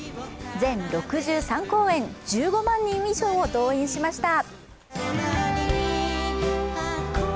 全６３公演、１５万人以上を動員しました。